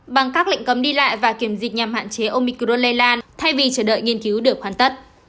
bằng các lệnh cấm đi lại và kiểm dịch nhằm hạn chế omicro lây lan thay vì chờ đợi nghiên cứu được hoàn tất